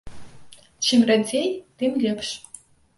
Чым радзей, тым лепш.